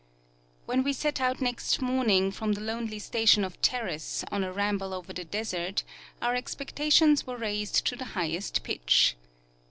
When we set out next morning from the lonely station of Terrace on a ramble over the desert our expectations were raised to the highest pitch.